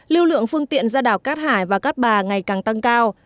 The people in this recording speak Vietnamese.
lưu lượng phương tiện ra đảo cát hải và cát bà ngày càng tăng cao